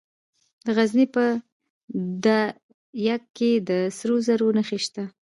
د غزني په ده یک کې د سرو زرو نښې شته.